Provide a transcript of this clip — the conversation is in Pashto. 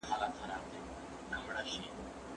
درېيم شرط - طلاق ورکوونکی به عاقل وي.